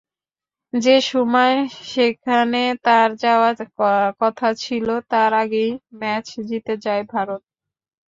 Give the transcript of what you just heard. যেসময় সেখানে তাঁর যাওয়ার কথা ছিল তার আগেই ম্যাচ জিতে যায় ভারত।